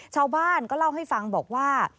ชาวบ้านก็เล่าให้ฟังบอกว่า